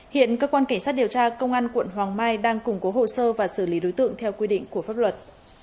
hiện cơ quan cảnh sát điều tra công an quận hoàng mai đang củng cố hồ sơ và xử lý đối tượng theo quy định của pháp luật